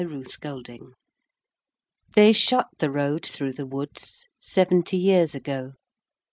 8 Autoplay They shut the road through the woods Seventy years ago.